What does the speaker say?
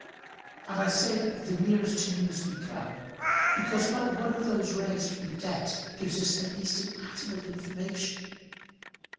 And I say the nearest to news we come, because not one of those raised from the dead gives us at least an atom of information.